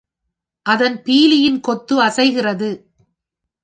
அதன் பீலியின் கொத்து அசைகிறது.